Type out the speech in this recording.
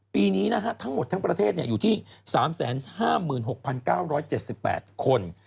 ปีนี้ทั้งหมดทั้งประเทศอยู่ที่๓๕๖๙๗๘คน